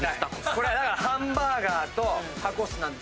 これはだからハンバーガーとタコスなんですけど。